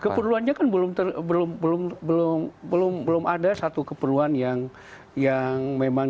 keperluannya kan belum terlalu belum belum belum belum belum ada satu keperluan yang yang memang